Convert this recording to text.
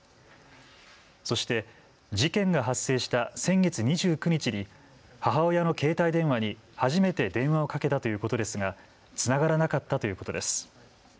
そして事件が発生した先月２９日に母親の携帯電話に初めて電話をかけたということですがつながらなかったということです。